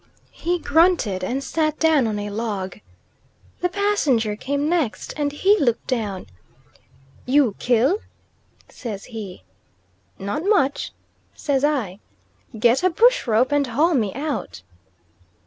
He grunted and sat down on a log. The Passenger came next, and he looked down. "You kill?" says he. "Not much," say I; "get a bush rope and haul me out."